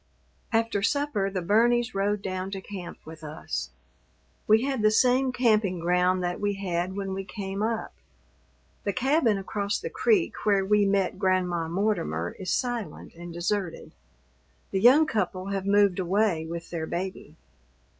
After supper the Burneys rode down to camp with us. We had the same camping ground that we had when we came up. The cabin across the creek, where we met Grandma Mortimer, is silent and deserted; the young couple have moved away with their baby.